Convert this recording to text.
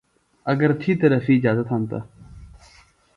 اگر تھی طرفی اِجازت ہنتہ۔